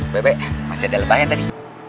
baik baik masih ada lebahnya tadi